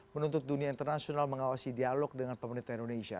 menuntut dunia internasional mengawasi dialog dengan pemerintah indonesia